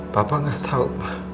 papa gak tau